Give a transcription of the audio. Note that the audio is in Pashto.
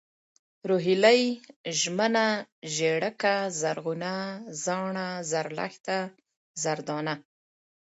روهيلۍ ، ژمنه ، ژېړکه ، زرغونه ، زاڼه ، زرلښته ، زردانه